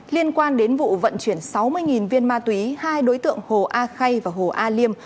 liên quan đến vụ vận chuyển sáu mươi viên ma túy hai đối tượng hồ a khay và hồ a liêm